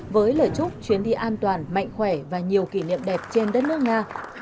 với lời chúc chuyến đi an toàn mạnh khỏe và nhiều kỷ niệm đẹp trên đất nước nga